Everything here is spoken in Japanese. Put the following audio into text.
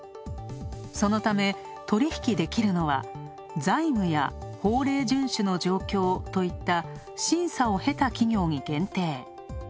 そのため、取引できるのは財務や法令遵守の状況といった審査を経た企業に限定。